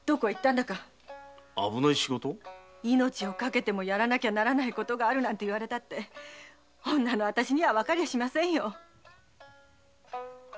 命をかけてもやらなきゃならないことがあるなんて言われたって女のあたしにゃわかりゃしませんよ！